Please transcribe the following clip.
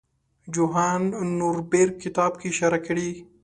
جوهان نوربیرګ کتاب کې اشاره کړې.